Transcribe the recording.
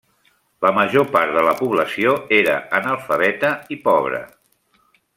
La major part de la població era analfabeta i pobra.